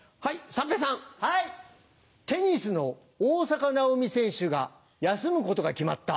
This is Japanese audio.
テニスの大坂なおみ選手が休むことが決まった。